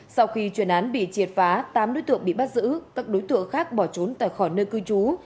sau khi chuyên án bị triệt phá tám đối tượng bị bắt giữ các đối tượng khác bỏ trốn khỏi nơi cư trú